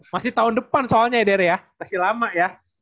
masih tahun depan soalnya ya derea masih lama ya